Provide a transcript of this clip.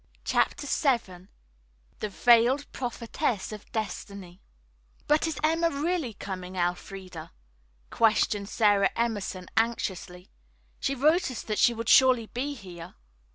CHAPTER VII THE VEILED PROPHETESS OF DESTINY "But is Emma really coming, Elfreda?" questioned Sara Emerson anxiously. "She wrote us that she would surely be here."